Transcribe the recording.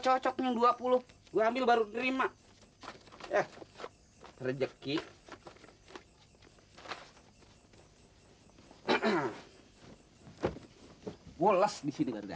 cocoknya dua puluh gua ambil baru terima eh rezeki hai ah ah hai bolas di sini berdaya